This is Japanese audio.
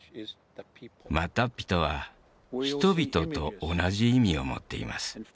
マッタッピとは「人々」と同じ意味を持っています